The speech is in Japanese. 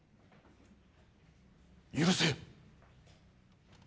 許せ！